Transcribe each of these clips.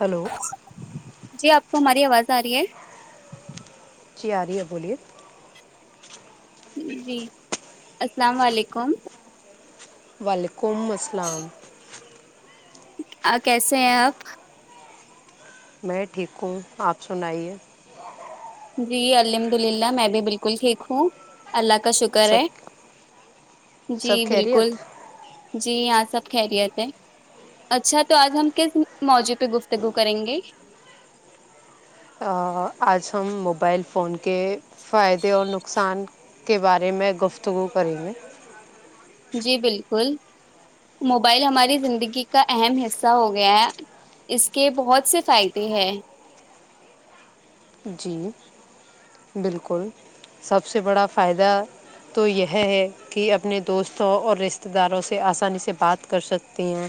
hello جی آپ کو ہماری آواز آ رہی ہے چییاری ہے بولیے جی السلام علیکم وعلیکم السلام کیسے ہیں آپ میں ٹھیک ہوں آپ سنائیے جی الحمد للہ میں بھی بالکل ٹھیک ہوں اللہ کا شکر سب ہے جی سب بالکل خیریت جی آ سے سب خیریت ہے اچھا تو آج ہم کس موضوع پہ گفتگو کریں گے آج ہم موبائل فون کے فائدے اور نقصان کے بارے میں گفتگو کریں گے جی بالکل موبائل ہماری زندگی کا اہم حصہ ہو گیا ہے اس کے بہت سے فائدے ہے جی بالکل سب سے بڑا فائدہ تو یہ ہے کہ اپنے دوستوں اور رشتتے داروں سے آسانی سے بات کر سکتے ہیں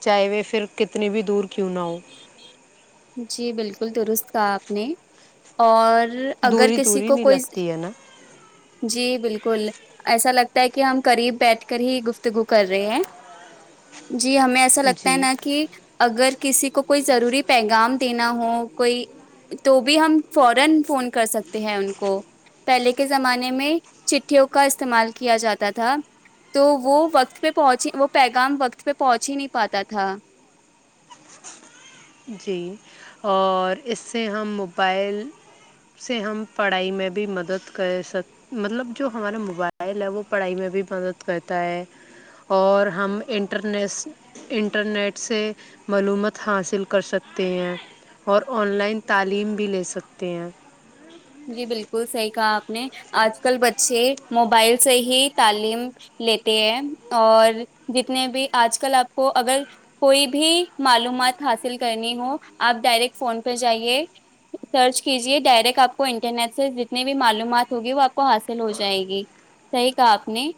چاہے وہ پھر کتنی بھی دور کیوں نہ ہوں جی بالکل ل درست کہ آپ نے اور اگر دوری کسی دوری کو نہیں کوئی لگتی ہے نا جی بالکل ایسا لگتا ہے کہ ہم قریب بیٹھ کر ہی گفتگو کر رہے ہیں جی ہمیں ایسا لگتا ہے جی نا کہ اگر کسی کو کوئی ضروری پیغام دینا ہو کوئی تو بھی ہم فورا فون کر سکتے ہیں ان کو پہلے کے زمانے میں چٹھیوں کا استعمال کیا جاتا تھا تو وہ وقت پہ پہنچی وہ پیغام وقت پہ پہنچ ہی نہیں پاتا تھا جی اور اس سے ہم موبائل سے ہم پڑھائی میں بھی مدد کر سک مطلب جو ہمارا موبائل ہے وہ پڑھائی میں بھی مدد کرتا ہے اور ہم انٹرنیس انٹرنیٹ سے معلومات حاصل کر سکتے ہیں اور آن لائن تعلیم بھی لے سکتے ہیں جی بالکل صحیح کہا آپ نے آج کل بچے موبائل سے ہی تعلیم لیتے ہیں اور جتنے بھی آج کل آپ کو اگر کوئی بھی معلومات حاصل کرنی ہو آپ ڈائریکٹ فون پہ جائیے سرچ کیجیے ڈائریکٹ آپ کو انٹرنیٹ سے جتنی بھی معلومات ہوگی وہ آپ کو حاصل ہو جائے گی صحیح کہا آپ نے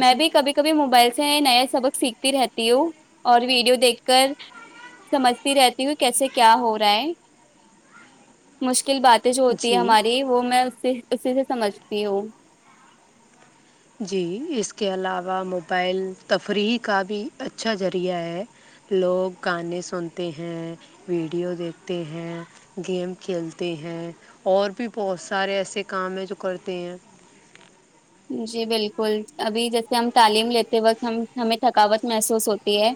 میں جی بھی کبھی کبھی موبائل سے نیا سبق سیکھتی رہتی ہوں اور ویڈیو دیکھ کر سمجھتی رہتی ہوں کیسے کیا ہو رہا ہے مشکل باتیں جو تھی جی ہماری وہ میں اس سے اسی سے سمجھتی ہوں جی اس کے علاوہ موبائل تفریح کا بھی اچھا ذریعہ ہے لوگ گانے سنتے ہیں ویڈیو دیکھتے ہیں گیم کھیلتے ہیں اور بھی بہت سارے ایسے کام ہیں جو کرتے ہیں جی بالکل ابھی جیسے ہم تعلیم لیتے وقت ہم ہمیں تھکاوت محسوس ہوتی ہے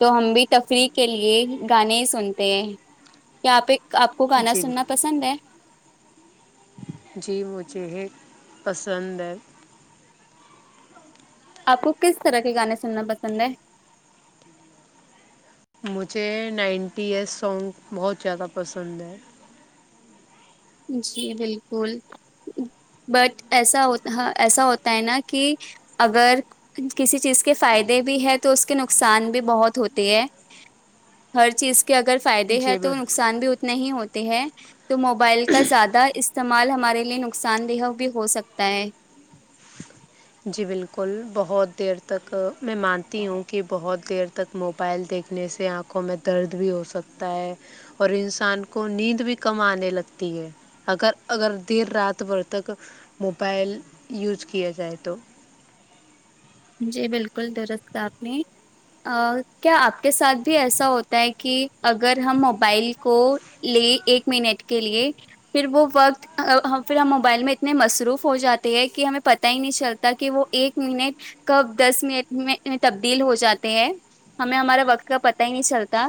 تو ہم بھی تفریح کے لیے گانے سنتے ہیں کیا آ پہ آپ کو گانا جی سننا پسند ہے جی مجھے ایک پسند ہے آپ کو کس طرح کے گانے سننا پسند ہے مجھے نائنٹی ایس سانگ بہت زیادہ پسند ہیں جی بالکل بٹ ایسا ایسا ہوتا ہے نا کہ اگر کسی چیز کے فائدے بھی ہے تو اس کے نقصان بھی بہت ہوتے ہے ہر چیز کے اگر فائدے ہیں جی تو بل نقصان بھی اتنے ہی ہوتے ہیں تو موبائل کے کا زیادہ استعمال ہمارے لیے نقصان دیہ بھی ہو سکتا ہے جی بالکل بہت دیر تک میں مانتی ہوں کہ بہت دیر تک موبائل دیکھنے سے آنکھوں میں درد بھی ہو سکتا ہے اور انسان کو نیند بھی کم آنے لگتی ہے اگر اگر دیر رات بھر تک موبائل یوز کیا جائے تو جی بالکل درست آپ نے کیا آپ کے ساتھ بھی ایسا ہوتا ہے کہ اگر ہم موبائل کو لے ایک منٹ کے لیے پھر وہ وقت پھر ہم موبائل میں اتنے مصروف ہو جاتے ہیں کہ ہمیں پتہ ہی نہیں چلتا کہ وہ ایک منٹ کب دس منٹ میں تبدیل ہو جاتے ہیں ہمیں ہمارا وقت کا پتا ہی نہیں چلتا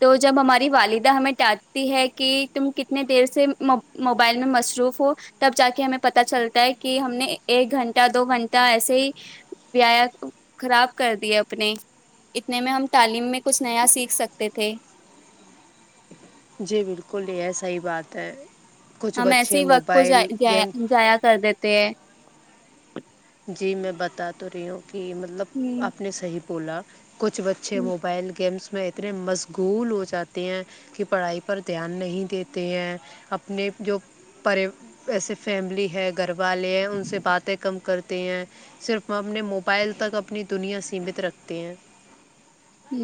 تو جب ہماری والدہ ہمیں ڈانٹتی ہے کہ تم کتنے دیر سے موبائل میں مصروف ہو تب جا کے ہمیں پت چلتا ہے کہ ہم نے ایک گھنٹہ دو گھنٹہ ایسے ہی ویا خراب کر دے اپنے اتنے میں ہم تعلیم میں کچھ نیا سیکھ سکتے تھے جی بالکل یہ ہے صحی بات ہے کچھ ہم ایسے بچے ہی وقت کو موبائل گیم جایا کر دیتے ہیں جی میں بتا تو رہی ہوں کہ مطلب ہوں، آپ نے صحیح کولا کچھ بچے موبائل گیمس میں اتنے مشغول ہو جاتے ہیں کہ پڑھائی پر دھیان نہیں دیتے ہیں اپنے جو ایسے فیملی ہے گھر والے ہیں ان سے باتیں کم کر ہیں صرف اپنے موبائل تک اپنی دنیا سیمت رکھتے ہیں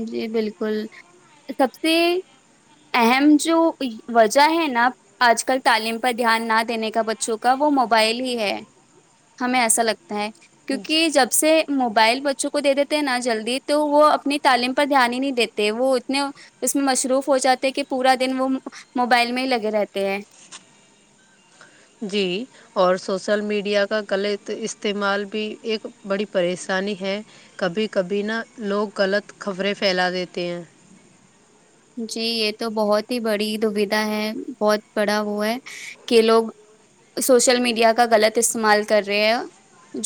جی بالکل سب سے اہم جو وجہ ہے نا آج کل تعلیم پر دھیان نہ دینے کا بچوں کا وہ موبائل ہی ہے ہمیں ایسا لگتا ہے کیونکہ جب سے بائل بچوں کو دے دیتے ہیں نہا جلدی تو وہ اپنی تعلیم پر دھیان ہی نہیں دیتے وہ اتنے اس میں مصروف ہو جاتے کہ پورا دن وہ موبائل میں ہی لگے رہتے ہیں جی اور سوسل میڈیا کا غلط استعمال بھی ایک بڑی پریشانی ہے کبھی کبھی نا لوگ غلط خبریں پھیلا دیتے ہیں جی یہ تو بہت ہی بڑی دویدھا ہے بہت بڑا وہ ہے کہ لوگ سوشل میڈیا کا غلط استعمال کر رہے ہے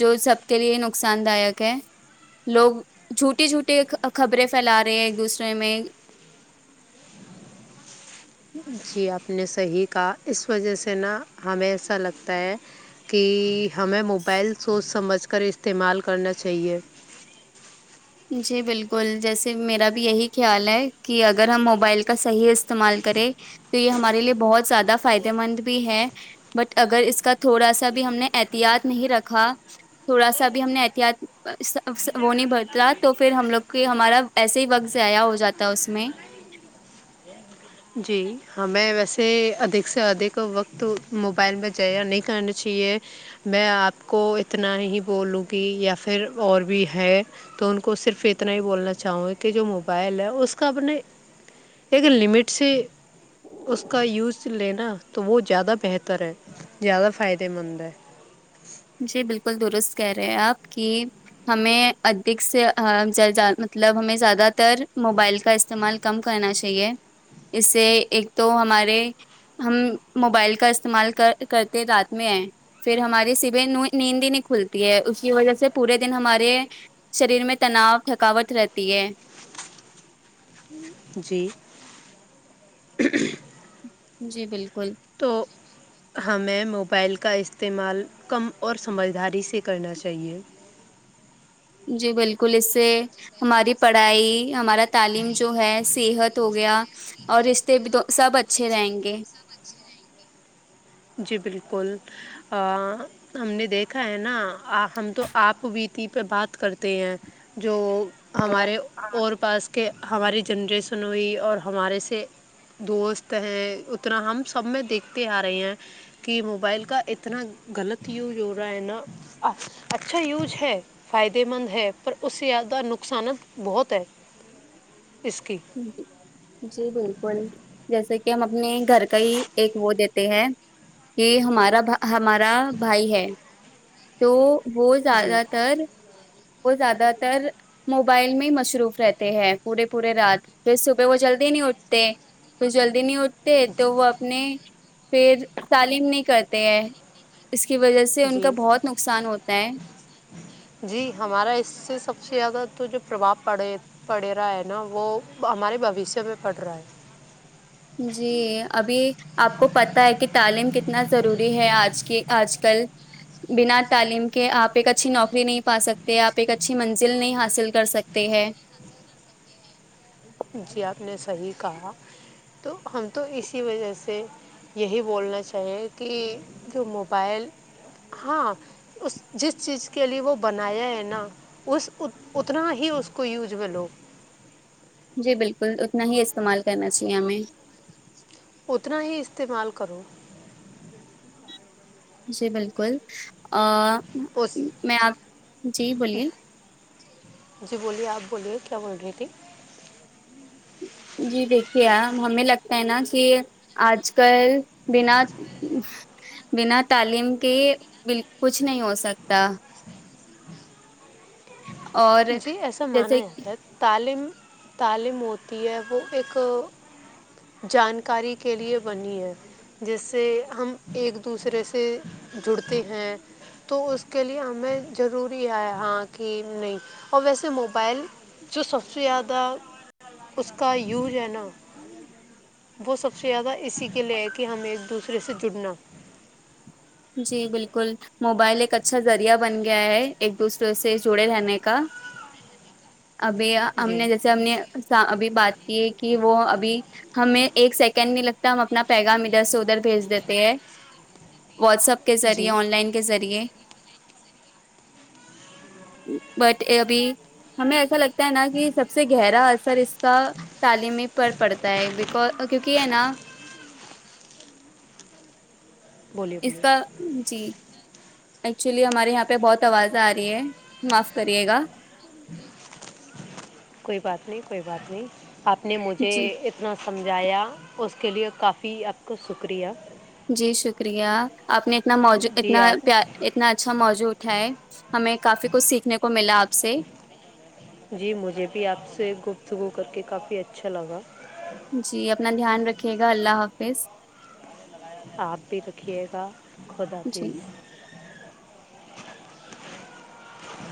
جو سب کے لیے نقصان داک ہے لوگ جھوٹی جھوٹیے خبریں پھیلا رہے ہیں ایک دوسرے میں جی آپ نے صحیح کہا اس وجہ سے نا ہمیں ایسا لگتا ہے کہ ہمیں موبائل سوچ سمجھ کر استعمال کرنا چاہیے جی بالکل جیسے میرا بھی یہی خیال ہے کہ اگر ہم موبائل کا صحیح استعمال کریں تو یہ ہمارے لیے بہت زیادہ فائدے مند بھی ہے بٹ اگر اس کا تھوڑا سا بھی ہم نے احتیاط نہیں رکھا تھوڑا سا بھی ہم نے احتیاط وہ نہیں ب تو پھر ہم لوگ کے ہمارا وسے ہی وقت ضیاع ہو جاتا اس میں جی ہمیں ویسے ادھک سے ادھک وقت موبائل میں جیا نہیں کرنا چاہیے میں آپ کو اتنا ہی بولوں گی یا پھر اور بھی ہے تو ان کو صرف اتنا ہی بولنا چاہوں گی کہ جو موبائل ہے اس کا اپنے ایک لمٹ سے اس کا یوز لینا تو وہ زیادہ بہتر ہے زیادہ فائدے مند ہے بالک درست کہہ رہے ہیں آپ کی ہمیں ادھک سے مطلب ہمیں زیادہ تر موبائل کا استعمال کم کرنا چاہیے اس سے ایک تو ہمارے ہم موبائل کا استعمال کرتے رات میں ہےئے پھر ہمارے س نیندی نہیں کھلتی ہے اس کی وجہ سے پورے دن ہمارے شریر میں تناؤ تھکاوٹ رہتی ہے جی جی بالکل تو ہمیں موبائل کا استعمال کم اور سمجھداری سے کرنا چاہیے جی بالکل اس سے ہماری پڑھائی ہمارا تعلیم جو ہے صحت ہو گیا اور رشتے بھی سب اچھے رہیں گے جی بالکل ہم نے دیکھا ہے نا ہم تو آپ بیتی پہ بات کرتے ہیں جو ہمارے اور پاس کہ ہماری جنریشن ہوئی اور ہمارے سے دوست ہیں اتنا ہم سب میں دیکھتے آ رہے ہیں کہ موبائل کا اتنا غلط یوز ہو رہا ہے نا اچھا یوز ہے فائدے مند ہے پر اس سے زیادہ نقصانات بہت ہے اس کی جی جی بالکل جیسے کہ ہم اپنے گھر کا ہی ایک وہ دیتے ہیں کہ ہمارا ہمارا بھائی ہے تو وہ جی زیادہ تر وہ زیادہ ر موبائل میں ہی مصروف رہتے ہیں پورے پورے رات ج صبح وہ جلدی نہیں اٹھتے کھ جلدی نہیں اٹ تو وہ اپنے پھر تعلیم نہیں کرتے ہیں اس کی وجہ سے ان کا جی بہت نقصان ہوتا ہے جی ہمارا اس سے سب سے زیادہ تو جو پرباؤ پڑے پڑے رہا ہے نا وہ ہمارے بوشیہ میں پڑ رہا ہے جی ابھی آپ کو پت ہے کہ تعلیم کتنا ضروری ہے آج کی آج کل بنا تعلیم کے آپ ایک اچھی نوکری نہیں پا سکتے آپ ایک اچھی منزل نہیں حاصل کر سکتے ہے جی آپ نے صحیح کہا تو ہم تو اسی وجہ سے یہی بولنا چاہیے کہ جو موبائل ہاں اس جس چیز کے لیے وہ بنایا ہے نا اس اتنا ہی اس کو یوج میں لو جی بالکل اتنا ہی استعمال کرنا چاہیے ہمیں اتنا ہی استعمال کرو جی بالکل اس میں آپ جی بولیے جی بولیے آپ بولیے کیا بول رہی تھی جی دیکھیے ہمیں لگتا ہے نا کہ آج کل بنا بنا تعلیم کے کچھ نہیں ہو سکتا اور جی ایسا مانا جیسے جاتا ہے تعلیم تعلیم ہوتی ہے وہ ایک جانکاری کے لیے بنی ہے جیس سے ہم ایک دوسرے سے جڑتے ہیں تو اس کے لیے ہمیں ضروری ہے ہاں کہ نہیں اور ویسے موبائل جو سب سے زیادہ اس کا یوز ہے نا وہ سب سے زیادہ اس کے لے کہ ہم ایک دوسرے اس سے جڑنا جی بالکل موبائل ایک اچھا ذریعہ بن گیا ہے ایک دوسرے سے جڑے رہنے کا ابھی ہم جی نے جیسے ہم نے ابھی بات کی ہے کہ وہ ابھی ہمیں ایک سیکنڈ نہیں لگتا ہم اپنا پیغام ادھر سے ادھر بھیج دیتے ہیں واٹس اپ کے ذریعے جی آن لائن کے ذریعے بٹ ابھی ہمیں ایسا لگتا ہے نا کہ سب سے گہرا اثر اس کا تعلیمی پر پڑتا ہے بکز کیونکہ ہے نا بولیے اس بولیے کا جی ایکچولی ہمارے یہاں پہ بہت آوازیں آ رہی ہے معاف کریے گا کوئی بات نہیں کوئی بات نہیں آپ نے مجھے جی اتنا سمجھایا اس کے لیے کافی آپ کا شکریہ جی شکریہ آپ نے اتنا موجو جی اتنا آپ اتنا اچھا موجو ہے ہمیں کافی کچھ سیکھنے کو ملا آپ سے جی مجھے بھی آپ سے گفتگو کر کے کافی اچھا لگا جی اپنا دھیان رکھے گا اللہ حف بس [unintelligible] آپ بھی رکھیے گا خدا جی پیز